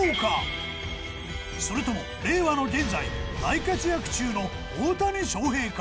それとも令和の現在大活躍中の大谷翔平か？